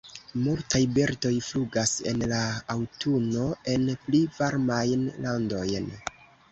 Multaj birdoj flugas en la aŭtuno en pli varmajn landojn.